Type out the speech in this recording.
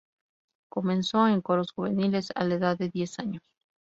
Comenzó en coros juveniles a la edad de diez años.